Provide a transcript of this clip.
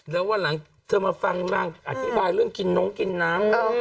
แล้ววันหลังเธอมาฟังนางอธิบายเรื่องกินน้องกินน้ำ